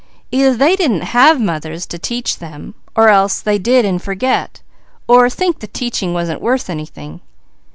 "Either they didn't have mothers to teach them or else they did, and forget, or think the teaching wasn't worth anything.